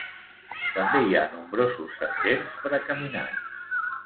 També hi ha nombrosos senders per a caminants.